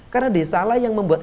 karena desalah yang membuat